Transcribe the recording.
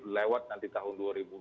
lewat nanti tahun dua ribu dua puluh